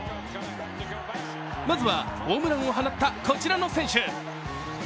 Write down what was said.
まずはホームランを放ったこちらの選手。